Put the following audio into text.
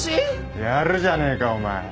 やるじゃねえかお前。